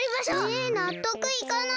えなっとくいかない！